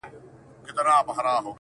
که پاکستان دی که روس ایران دی -